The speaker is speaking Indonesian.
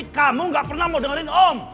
kamu gak pernah mau dengerin om